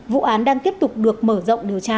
vụ án đang tiếp tục được mở rộng điều tra